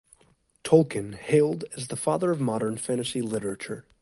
Tolkien, "hailed as the father of modern fantasy literature".